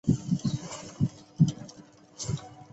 却从来没有见过有一块根像人样